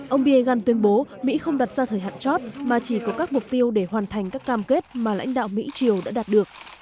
ông biegun tuyên bố mỹ không đặt ra thời hạn chót mà chỉ có các mục tiêu để hoàn thành các cam kết mà lãnh đạo mỹ triều đã đạt được